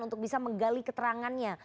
untuk bisa menggali keterangannya